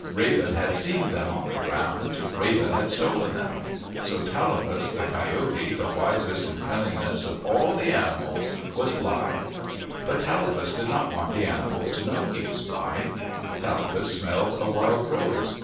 Raven had seen them on the ground. Raven had stolen them. So Tallapus, the Coyote, the wisest and cunningest of all animals was blind. But Tallapus did not want the animals to know he was blind. Tallapus smelled a wild rose.